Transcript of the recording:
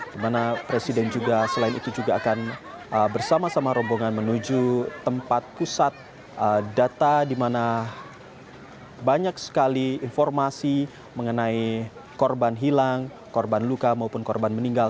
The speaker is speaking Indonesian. di mana presiden juga selain itu juga akan bersama sama rombongan menuju tempat pusat data di mana banyak sekali informasi mengenai korban hilang korban luka maupun korban meninggal